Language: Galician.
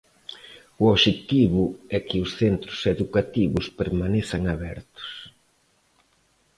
O obxectivo é que os centros educativos permanezan abertos.